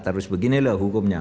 terus beginilah hukumnya